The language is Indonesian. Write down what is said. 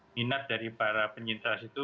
minat dari para penyintas itu